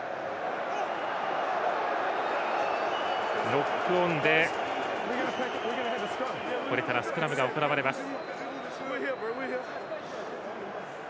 ノックオンでこれからスクラムが行われます。